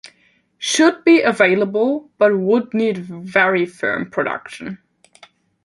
Should be available but would need very firm production.